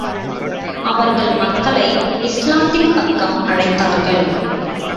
அவர்கள் மக்களை இஸ்லாத்தின் பக்கம் அழைத்தார்கள்.